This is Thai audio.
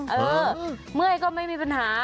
เมื่อยก็ไม่มีปัญหา